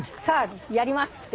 「さあやります！」